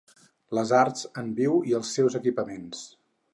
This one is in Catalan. Les arts en viu i els seus equipaments.